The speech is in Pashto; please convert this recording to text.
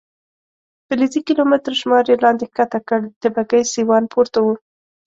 فلزي کیلومتر شمار یې لاندې کښته کړ، د بګۍ سیوان پورته و.